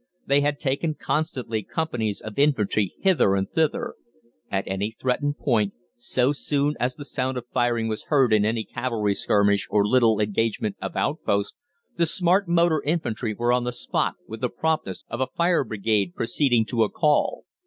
They had taken constantly companies of infantry hither and thither. At any threatened point, so soon as the sound of firing was heard in any cavalry skirmish or little engagement of outposts, the smart motor infantry were on the spot with the promptness of a fire brigade proceeding to a call.